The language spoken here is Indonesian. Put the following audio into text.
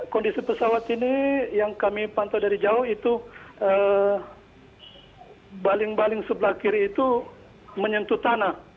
kondisi pesawat ini yang kami pantau dari jauh itu baling baling sebelah kiri itu menyentuh tanah